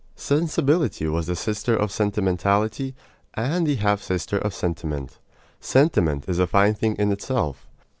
Sensibility was the sister of sentimentality and the half sister of sentiment. Sentiment is a fine thing in itself.